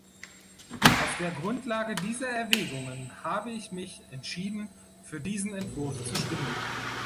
Auf der Grundlage dieser Erwägungen habe ich mich entschieden, für diesen Entwurf zu stimmen.